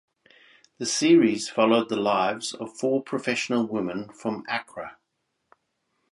The series followed the lives of four professional women from Accra.